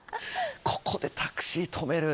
ここでタクシー止める。